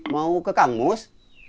mau ke kangus